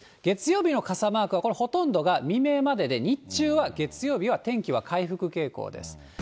月曜日の傘マークは、これ、ほとんどが未明までで、日中は月曜日は天気は回復傾向です。